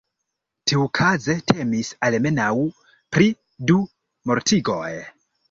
Tiukaze temis almenaŭ pri du mortigoj.